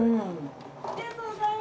ありがとうございます。